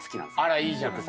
あらいいじゃない。